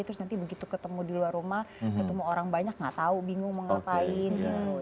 terus nanti begitu ketemu di luar rumah ketemu orang banyak nggak tahu bingung mau ngapain gitu